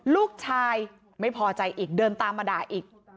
ลูกชายไม่พอใจอีกเดินตามมาด่าอีก